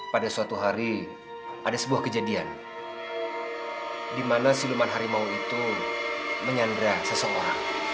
pada suatu hari ada sebuah kejadian di mana siluman harimau itu menyandra seseorang